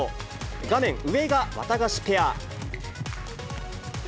画面上がワタガシペア。